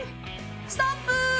ストップー！